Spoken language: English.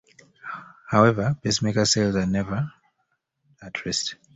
However, pacemaker cells are never at rest.